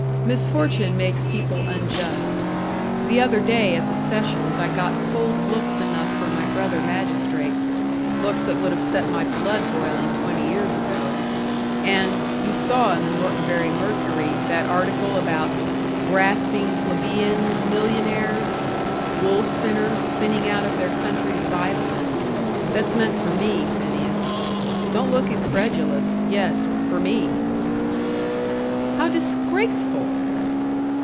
Misfortune makes people unjust. The other day at the sessions I got cold looks enough from my brother magistrates looks that would have set my blood boiling twenty years ago. And you saw in the Norton Bury Mercury that article about 'grasping plebeian millionaires' 'wool spinners, spinning out of their country's vitals.' That's meant for me, Phineas. Don't look incredulous. Yes for me." "How disgraceful!"